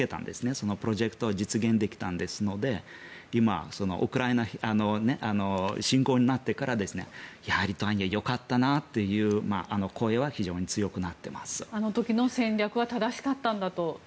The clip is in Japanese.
そのプロジェクトを実現できたので今、ウクライナ侵攻になってからやはりリトアニアよかったなという声はあの時の戦略は正しかったんだと。